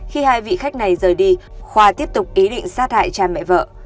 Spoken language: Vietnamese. khi hai vị khách này rời đi khoa tiếp tục ý định sát hại cha mẹ vợ